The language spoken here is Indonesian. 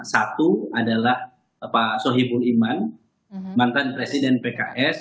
satu adalah pak sohibul iman mantan presiden pks